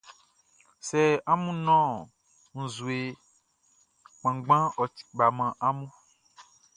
Sɛ amun nɔn nzue kpanngbanʼn, ɔ ti kpa man amun.